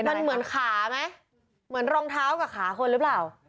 มันเหมือนขาไหมเหมือนรองเท้ากับขาคนหรือเปล่า